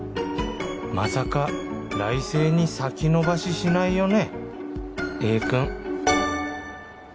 まさか来世に先延ばししないよね？